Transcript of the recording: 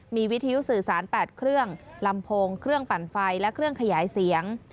มีวิทยุสื่อสาร๘เครื่องลำโพงเครื่องปั่นไฟและเครื่องขยายเสียง